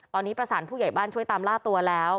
ตอนนี้ประสานผู้ใหญ่บ้านช่วยตามล่าตัวแล้ว